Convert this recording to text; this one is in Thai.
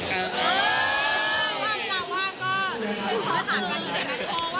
ว่างก็ว่างก็